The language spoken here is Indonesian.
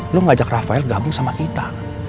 lo ngajak rafael gabung sama kita